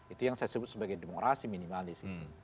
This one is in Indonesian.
itu yang saya sebut sebagai demokrasi minimalis